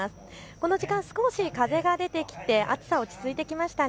この時間、少し風が出てきて暑さ、落ち着いてきました。